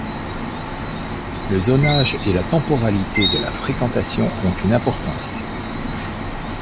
Le zonage et la temporalité de la fréquentation ont une importance.